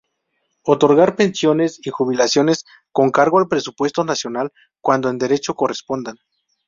Otorgar pensiones y jubilaciones con cargo al presupuesto nacional, cuando en derecho correspondan.